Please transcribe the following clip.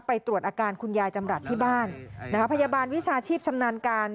ตรวจอาการคุณยายจำรัฐที่บ้านนะคะพยาบาลวิชาชีพชำนาญการ